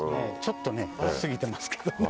ちょっとね過ぎてますけど。